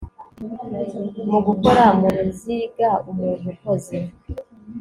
mu gukora mu ruzigaumuntu ukoze